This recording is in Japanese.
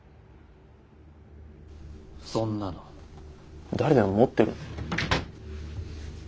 そんなの誰でも持ってるだろ。